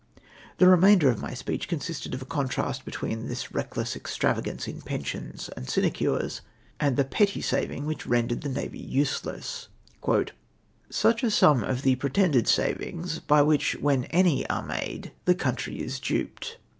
The remainder of my speech consisted of a contrast between this reckless extravagance in pensions and sine DEPLORABLE WASTE OF PUBLIC MONEY. 147 cures, and the petty snving which rendered the Xavy useless :—" Such are some of the pretended savings by which, when any are made, the country is duped.